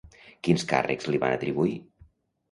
Quins càrrecs li van atribuir?